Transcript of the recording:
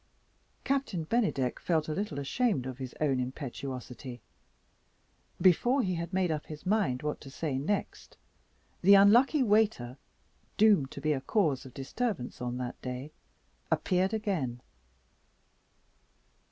Captain Bennydeck felt a little ashamed of his own impetuosity. Before he had made up his mind what to say next, the unlucky waiter (doomed to be a cause of disturbance on that day) appeared again.